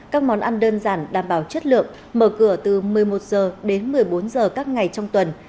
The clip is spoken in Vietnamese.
các món ăn đơn giản đảm bảo chất lượng mở cửa từ một mươi một h đến một mươi bốn h các ngày trong tuần